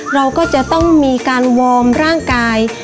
เราก็จะต้องมีการวอร์มร่างกาย